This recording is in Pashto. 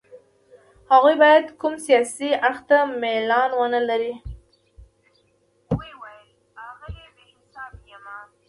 هغوی باید کوم سیاسي اړخ ته میلان ونه لري.